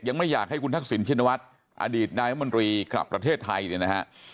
ยังไม่อยากให้คุณทักษิณชินวัฒน์อดีตนายรัฐมนตรีกลับประเทศไทยเนี่ยนะฮะ